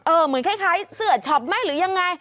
เออเหมือนคล้ายเสื้อชอบไม่หรือยังไง